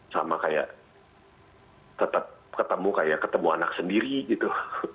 sama kayak tetap ketemu kayak ketemu anak sendiri gitu